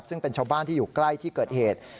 ซึ่งเป็นชาวบ้านที่อยู่ใกล้ที่เกิดเหตุ